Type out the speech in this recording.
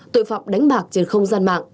tội phạm đánh bạc trên không gian mạng